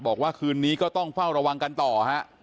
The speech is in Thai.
บอกว่าคืนนี้ก็ต้องเฝ้าระวังกันต่อฮะ